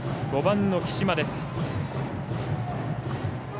５番の貴島です。